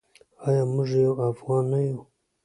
آیا موږ یو افغان نه یو؟